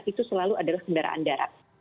itu selalu adalah kendaraan darat